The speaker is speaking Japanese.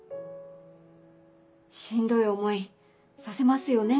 「しんどい思いさせますよね」